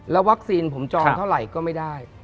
วัคซีนผมจองเท่าไหร่ก็ไม่ได้